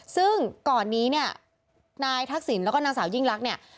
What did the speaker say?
ซึ่งก่อนนี้เนี่ยนายทักษิณแล้วก็นางสาวยิ่งลักษณ์เนี่ย